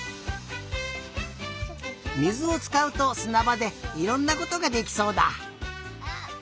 水をつかうとすなばでいろんなことができそうだ。